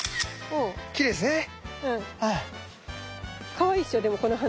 かわいいでしょでもこの花。